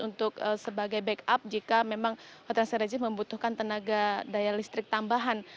untuk sebagai backup jika memang hotel st regis membutuhkan tenaga daya listrik tambahan